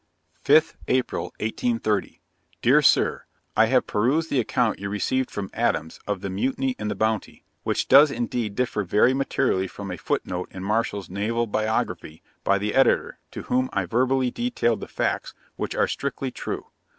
'5th April, 1830. 'DEAR SIR, I have perused the account you received from Adams of the mutiny in the Bounty, which does indeed differ very materially from a footnote in Marshall's Naval Biography, by the editor, to whom I verbally detailed the facts, which are strictly true.